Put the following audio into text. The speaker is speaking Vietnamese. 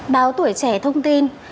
báo tuổi trẻ thông tin